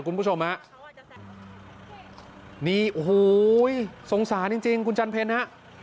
คุณผู้ชมฮะนี่โอ้โหสงสารจริงจริงคุณจันเพลฮะ